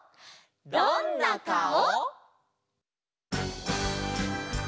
「どんなかお」！